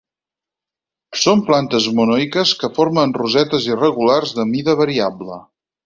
Són plantes monoiques que formen rosetes irregulars de mida variable.